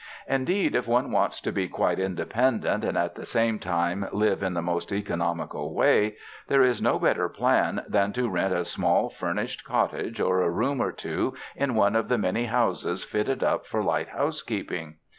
Indeed if one wants to be quite independent and at the same time live in the most economical way, there is no better plan than to rent a small, furn ished cottage or a room or two in one of the many houses fitted up for light housekeeping.